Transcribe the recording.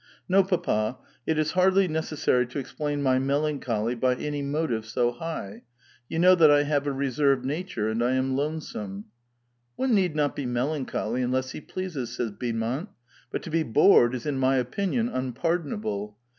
" No, papa, it is hardly necessary to explain ray melan choly by an}' motive so high ; you know that I have a re served nature, and I am lonesome." " One need not be melancholy unless he pleases," said Beaumont; "but to be bored is in my opinion unpardon able.